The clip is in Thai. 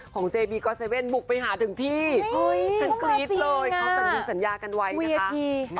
เค้าสัญญาสัญญากันไว้นะคะ